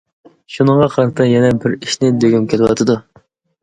شۇنىڭغا قارىتا يەنە بىر ئىشنى دېگۈم كېلىۋاتىدۇ.